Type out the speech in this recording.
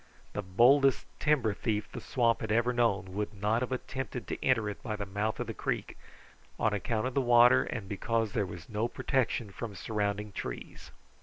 The boldest timber thief the swamp ever had known would not have attempted to enter it by the mouth of the creek, on account of the water and because there was no protection from surrounding trees.